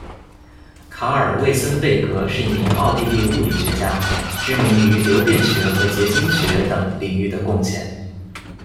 卡尔·魏森贝格是一名奥地利物理学家，知名于流变学和结晶学等领域的贡献。